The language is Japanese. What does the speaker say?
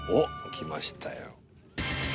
きましたよ。